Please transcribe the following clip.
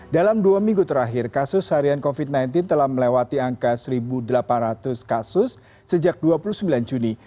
dalam dua minggu terakhir kasus harian covid sembilan belas telah melewati angka satu delapan ratus kasus sejak dua puluh sembilan juni